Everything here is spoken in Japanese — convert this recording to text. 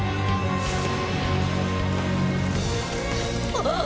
あっ！